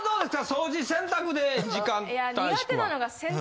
掃除洗濯で時間短縮は。